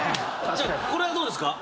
これはどうですか？